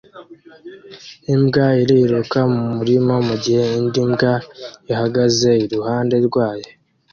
Imbwa iriruka mu murima mugihe indi mbwa ihagaze iruhande rwayo